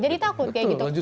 jadi takut kayak gitu